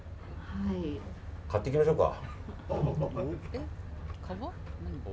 買っていきましょうか。